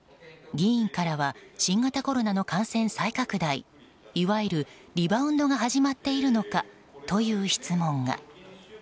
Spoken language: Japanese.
議員からは新型コロナの感染再拡大いわゆるリバウンドが始まっているのかという質問が。